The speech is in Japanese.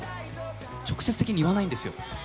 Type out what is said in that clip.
直接的に言わないんですよ。